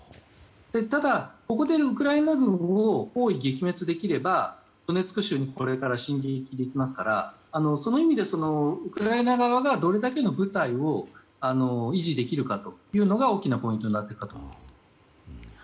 ただ、ここでウクライナ軍を包囲撃滅できればドネツク州にこれから進撃できますからその意味で、ウクライナ側がどれだけの部隊を維持できるかというのが大きなポイントになっていくかと思います。